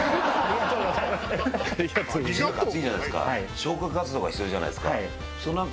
消火活動が必要じゃないですか。